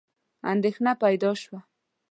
اندېښنه پیدا شوه.